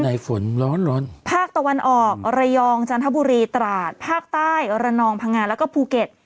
ฝนร้อนร้อนภาคตะวันออกระยองจันทบุรีตราดภาคใต้ระนองพังงาแล้วก็ภูเก็ต